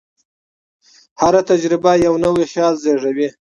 هره تجربه یو نوی خیال زېږوي.